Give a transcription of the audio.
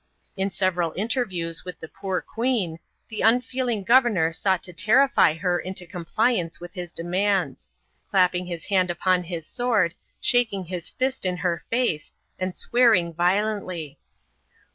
In several interviews with the poor queen, the unfeeling governor sought to terrify her into compliance with his demands ; clapping his hand upon his sword, shaking his fist in her face, and swearing violently.